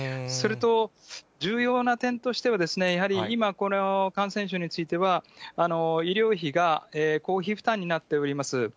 それと重要な点としては、やはり今、この感染症については、医療費が公費負担になっております。